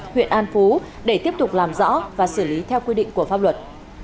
huyện an phú để tiếp tục làm rõ và xử lý theo quy định của pháp luật